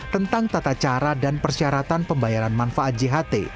tentang tata cara dan persyaratan pembayaran manfaat jht